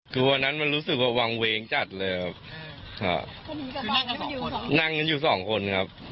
คือวันนั้นมันรู้สึกว่าวางเวงจัดเลยครับ